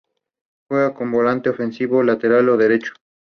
Juega como volante ofensivo o lateral derecho.